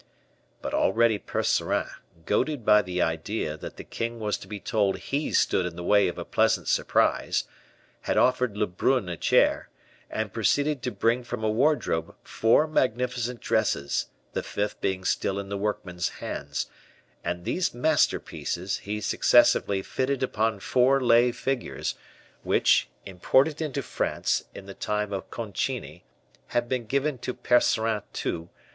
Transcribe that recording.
But already Percerin, goaded by the idea that the king was to be told he stood in the way of a pleasant surprise, had offered Lebrun a chair, and proceeded to bring from a wardrobe four magnificent dresses, the fifth being still in the workmen's hands; and these masterpieces he successively fitted upon four lay figures, which, imported into France in the time of Concini, had been given to Percerin II.